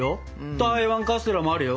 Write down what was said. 台湾カステラもあるよ。